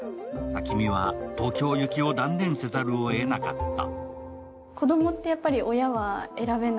暁海は東京行きを断念せざるをえなかった。